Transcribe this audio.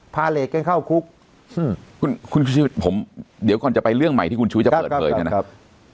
พาเหลกกันเข้าคุกคือผมเดี๋ยวก่อนจะไปเรื่องใหม่ที่คุณชุวิตจะเปิดเผยนะครับ